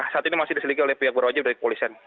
saat ini masih diselidiki oleh pihak berwajib dari kepolisian